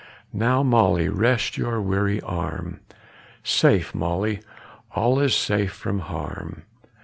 Now, Molly, rest your weary arm! Safe, Molly, all is safe from harm.